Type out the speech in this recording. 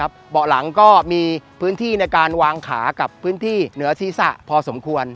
เบาะหลังก็มีพื้นที่ในการวางขากับพื้นที่เหนือศีรษะพอสมควร